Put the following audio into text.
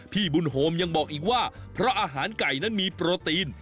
พี่บุญโฮมยังบอกอีกว่าเพราะอาหารไก่นั้นมีโปรตีน